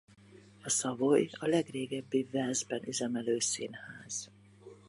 A Savoy a legrégebbi Walesben üzemelő színház.